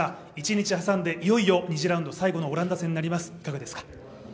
１日挟んでいよいよ最後のオランダ戦になります、いかがですか？